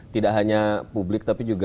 tidak hanya publik tapi juga